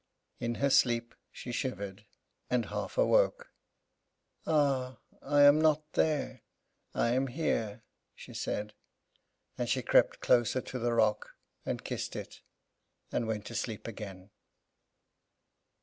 In her sleep she shivered, and half awoke. "Ah, I am not there, I am here," she said; and she crept closer to the rock, and kissed it, and went to sleep again.